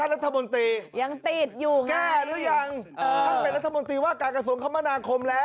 รัฐมนตรีว่าการกระทรวงคลมศาลมานาคมและ